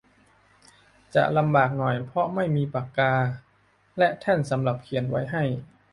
จะลำบากหน่อยเพราะไม่มีปากกาและแท่นสำหรับเขียนไว้ให้